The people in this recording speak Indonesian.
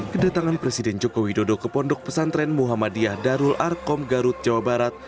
kedatangan presiden joko widodo ke pondok pesantren muhammadiyah darul arkom garut jawa barat